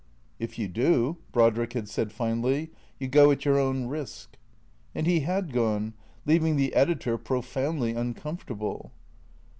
" If you do," Brodriek had said finally, " you go at your own risk." And he had gone, leaving the editor profoundly uncomfort able.